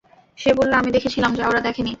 সে বলল, আমি দেখেছিলাম যা ওরা দেখেনি।